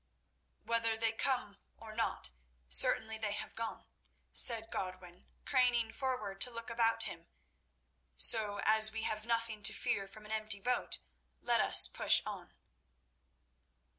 "Whether they come or not, certainly they have gone," said Godwin, craning forward to look about him; "so, as we have nothing to fear from an empty boat, let us push on."